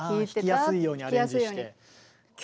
ああ弾きやすいようにアレンジして。